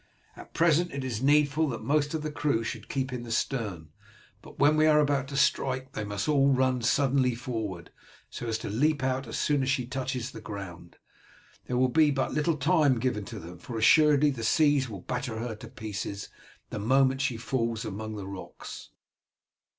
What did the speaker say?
At present it is needful that most of the crew should keep in the stern, but when we are about to strike they must all run suddenly forward, so as to leap out as soon as she touches the ground. There will be but little time given to them, for assuredly the seas will batter her to pieces the moment she falls among the rocks."